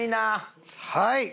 はい。